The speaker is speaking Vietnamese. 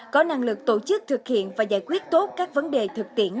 có năng lực tổ chức thực hiện và giải quyết tốt các vấn đề thực tiễn